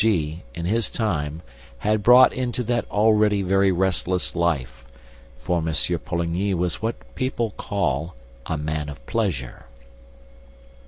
G., in his time, had brought into that already very restless life (for M. Poligny was what people call a man of pleasure).